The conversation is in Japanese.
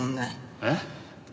えっ？